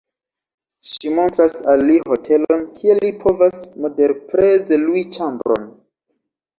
Ŝi montras al li hotelon kie li povas moderpreze lui ĉambron.